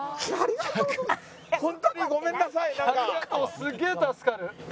すっげえ助かる。